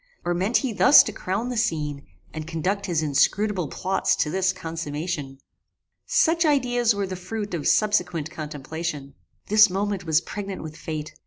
Or meant he thus to crown the scene, and conduct his inscrutable plots to this consummation? Such ideas were the fruit of subsequent contemplation. This moment was pregnant with fate.